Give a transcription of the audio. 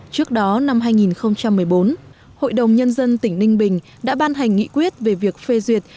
trước đó năm hai nghìn một mươi bốn hội đồng nhân dân tỉnh ninh bình đã ban hành nghị quyết về việc phê duyệt